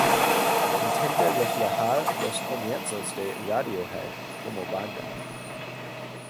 Intenta reflejar los comienzos de Radiohead como banda.